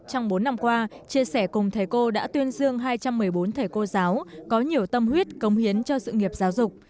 trong bốn năm qua chia sẻ cùng thầy cô đã tuyên dương hai trăm một mươi bốn thầy cô giáo có nhiều tâm huyết công hiến cho sự nghiệp giáo dục